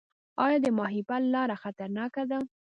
آیا د ماهیپر لاره خطرناکه ده؟